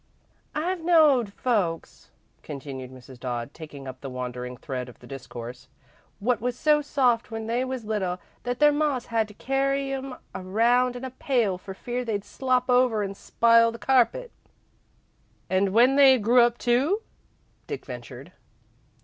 "I've knowed folks," continued Mrs. Dodd, taking up the wandering thread of the discourse, "what was so soft when they was little that their mas had to carry 'em around in a pail for fear they'd slop over and spile the carpet." "And when they grew up, too," Dick ventured.